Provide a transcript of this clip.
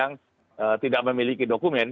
yang tidak memiliki dokumen